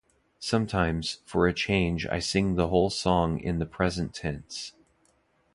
Sometimes, for a change I sing the whole song in the present tense.